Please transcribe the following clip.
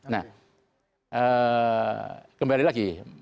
nah kembali lagi